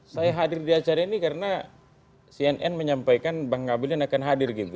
saya hadir di acara ini karena cnn menyampaikan bang ngabalin akan hadir gitu